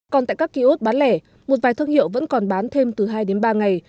còn tại các ký ốt bán lẻ một vài thương hiệu vẫn còn bán thêm từ hai ba ngày